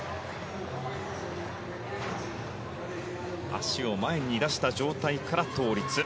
足を前に出した状態から倒立。